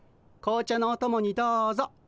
紅茶のおともにどうぞ。